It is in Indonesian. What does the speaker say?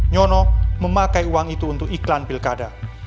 nyono memakai uang itu untuk iklan pilkada